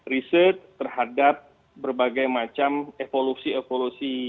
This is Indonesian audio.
riset terhadap berbagai macam evolusi evolusi